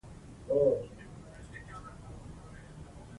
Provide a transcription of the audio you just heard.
انساني کرامت تر ټولو لوړ دی.